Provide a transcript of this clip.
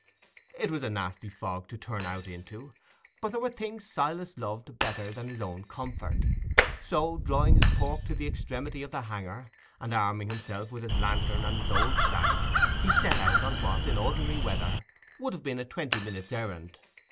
It was a nasty fog to turn out into, but there were things Silas loved better than his own comfort; so, drawing his pork to the extremity of the hanger, and arming himself with his lantern and his old sack, he set out on what, in ordinary weather, would have been a twenty minutes' errand.